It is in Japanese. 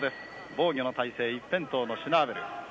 防御の体勢一辺倒のシュナーベル。